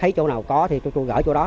thấy chỗ nào có thì tôi gỡ chỗ đó